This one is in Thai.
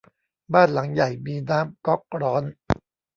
บ้านหลังใหญ่มีน้ำก๊อกร้อน